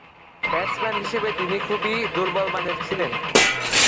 Batsman হিসেবে তিনি খুবই দূর্বলমানের ছিলেন।